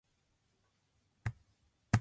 家族のアルバム